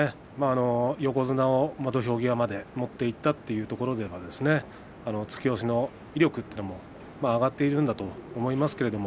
横綱を土俵際まで持っていったというところは突き押しの威力というものが上がっているんだと思います。